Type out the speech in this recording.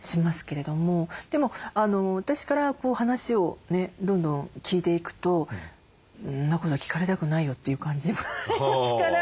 でも私から話をねどんどん聞いていくと「そんなこと聞かれたくないよ」っていう感じもありますから。